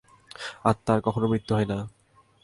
আত্মার কখনও মৃত্যু হয় না।